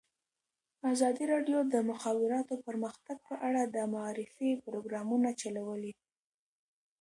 ازادي راډیو د د مخابراتو پرمختګ په اړه د معارفې پروګرامونه چلولي.